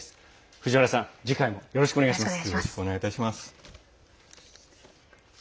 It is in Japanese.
藤原さん、次回もよろしくお願いします。